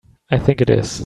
I think it is.